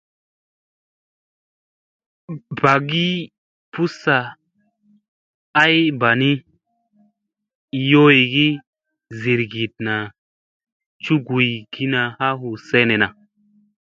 Bagi pussa ay bani i yowgi zirgiɗna cugugina ha hu senena.